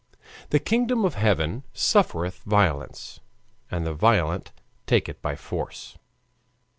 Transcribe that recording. "The kingdom of heaven suffereth violence, and the violent take it by force."